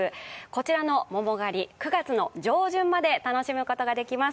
こちらの桃狩り９月の上旬まで楽しむことができます。